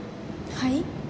はい？